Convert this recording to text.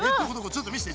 ちょっと見せて。